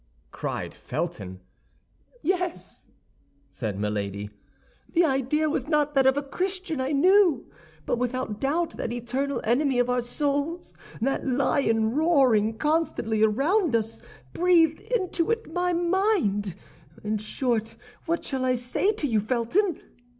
cried Felton. "Yes," said Milady. "The idea was not that of a Christian, I knew; but without doubt, that eternal enemy of our souls, that lion roaring constantly around us, breathed it into my mind. In short, what shall I say to you, Felton?"